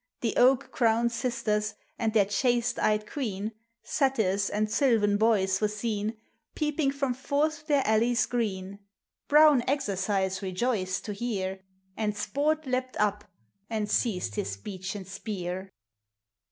The oak crowned sisters, and their chaste eyed queen, Satyrs and sylvan boys, were seen Peeping from forth their alleys green : Brown Exercise rejoiced to hear ; And Sport leapt up, and seized his beechen spear.